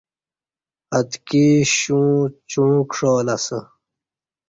آتکی شوں چوݩع کݜالہ اسہ